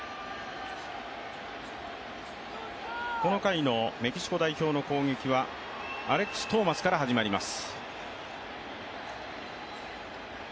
この回のメキシコ代表の攻撃はアレックス・トーマスから始まります。